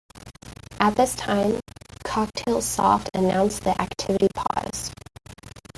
At this time, Cocktail Soft announced the activity pause.